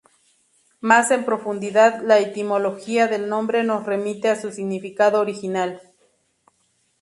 Más en profundidad, la etimología del nombre nos remite a su significado original.